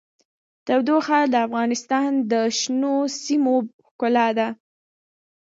تودوخه د افغانستان د شنو سیمو ښکلا ده.